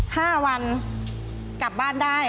ตื่นขึ้นมาอีกทีตอน๑๐โมงเช้า